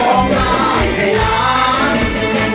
ร้องได้ให้ร้อง